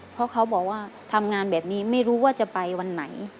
เพราะเขาบอกว่าทำงานแบบนี้ไม่รู้ว่าจะไปวันไหน